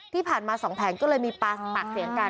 ที่ผ่านมา๒แผงก็เลยมีปากเสียงกัน